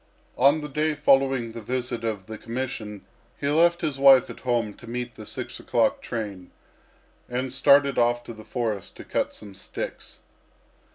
On the day following the visit of the commission he left his wife at home to meet the six o'clock train, and started off to the forest to cut some sticks.